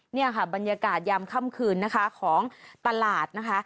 นี่ค่ะบรรยากาศยามค่ำคืนนะคะของตลาดนะคะ